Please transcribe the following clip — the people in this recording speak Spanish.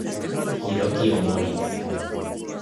Hiroki Omori